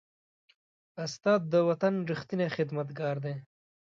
استاد د وطن ریښتینی خدمتګار دی.